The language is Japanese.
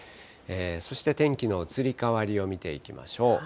そして、天気の移り変わりを見ていきましょう。